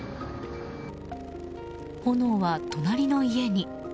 炎は隣の家に。